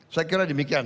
saya kira demikian